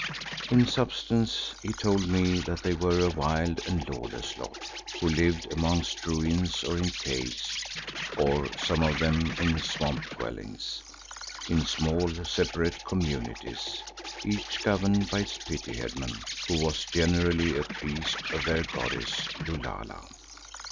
In substance he told me that they were a wild and lawless lot who lived amongst ruins or in caves, or some of them in swamp dwellings, in small separate communities, each governed by its petty headman who was generally a priest of their goddess Lulala.